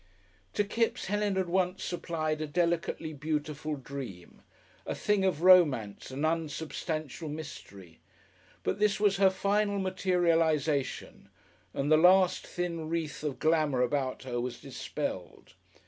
To Kipps Helen had once supplied a delicately beautiful dream, a thing of romance and unsubstantial mystery. But this was her final materialisation, and the last thin wreath of glamour about her was dispelled.